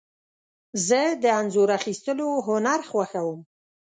زه د انځور اخیستلو هنر خوښوم.